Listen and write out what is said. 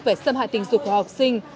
về xâm hại tình dục của học sinh